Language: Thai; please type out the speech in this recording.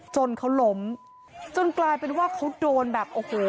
จนเขาล้มจนกลายเป็นว่าเขาโดนแบบโอ้โห